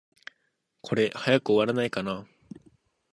これ、早く終わらないかな。